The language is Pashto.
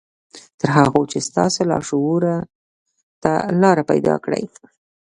تر هغو چې ستاسې لاشعور ته لاره پيدا کړي.